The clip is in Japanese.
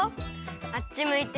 あっちむいて。